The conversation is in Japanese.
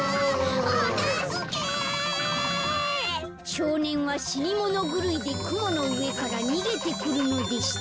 「しょうねんはしにものぐるいでくものうえからにげてくるのでした」。